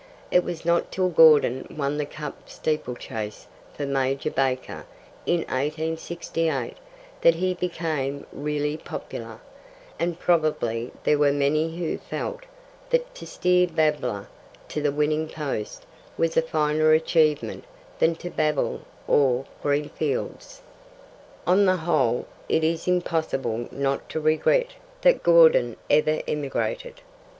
It was not till Gordon won the Cup Steeplechase for Major Baker in 1868 that he became really popular, and probably there were many who felt that to steer Babbler to the winning post was a finer achievement than 'to babble o'er green fields.' On the whole, it is impossible not to regret that Gordon ever emigrated.